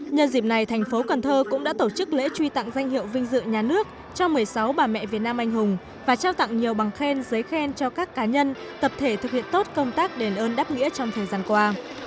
nhân dịp này thành phố cần thơ cũng đã tổ chức lễ truy tặng danh hiệu vinh dự nhà nước cho một mươi sáu bà mẹ việt nam anh hùng và trao tặng nhiều bằng khen giấy khen cho các cá nhân tập thể thực hiện tốt công tác đền ơn đáp nghĩa trong thời gian qua